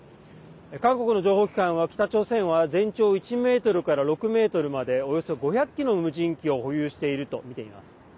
韓国の情報機関は北朝鮮は全長１ｍから６ｍまでおよそ５００機の無人機を保有しているとみています。